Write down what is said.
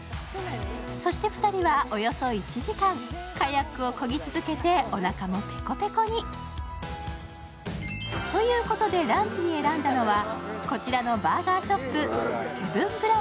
そして２人は、およそ１時間カヤックをこぎ続けておなかもペコペコに。ということでランチに選んだのはこちらのバーガーショップ